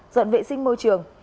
dọn vệ sinh môi trường